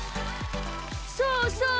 そうそう！